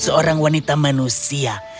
seorang wanita manusia